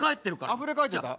あふれかえっちゃった？